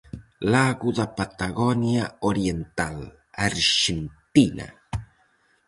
Lago da Patagonia oriental, Arxentina.